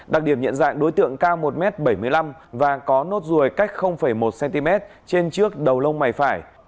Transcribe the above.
đặc điểm nhận dạng đối tượng cao một m bảy mươi năm và có nốt ruồi cách một cm trên trước đầu lông mày phải